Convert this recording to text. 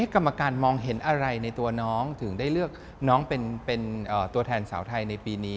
กรรมการมองเห็นอะไรในตัวน้องถึงได้เลือกน้องเป็นตัวแทนสาวไทยในปีนี้